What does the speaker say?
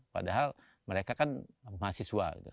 padahal mereka kan mahasiswa